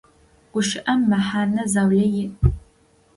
Гущыӏэм мэхьэнэ заулэ иӏ.